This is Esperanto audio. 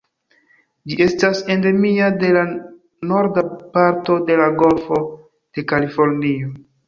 Ĝi estas endemia de la norda parto de la Golfo de Kalifornio.